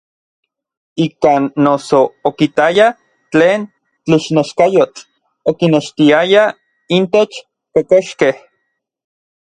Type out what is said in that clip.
Ikan noso okitaya tlen tlixneskayotl okinextiaya intech kokoxkej.